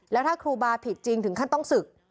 แล้วถ้าครูบาผิดจริงถึงขั้นต้องศึก